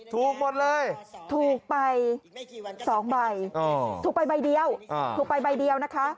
ถูกหมดเลยถูกไป๒ใบถูกไปใบเดียวถูกไปใบเดียวนะคะ